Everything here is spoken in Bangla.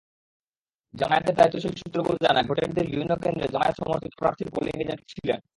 জামায়াতের দায়িত্বশীল সূত্রগুলো জানায়, ভোটের দিন বিভিন্ন কেন্দ্রে জামায়াত-সমর্থিত প্রার্থীর পোলিং এজেন্টরা ছিলেন।